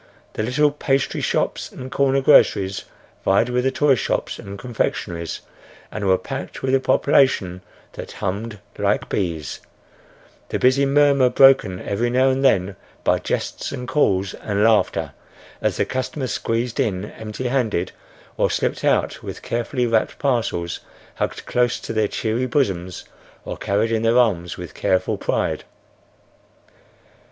The little pastry shops and corner groceries vied with the toy shops and confectionaries, and were packed with a population that hummed like bees, the busy murmur broken every now and then by jests and calls and laughter, as the customers squeezed in empty handed, or slipped out with carefully wrapped parcels hugged close to their cheery bosoms or carried in their arms with careful pride.